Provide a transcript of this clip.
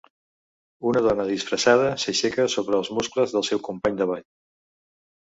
Una dona disfressada s'aixeca sobre els muscles del seu company de ball.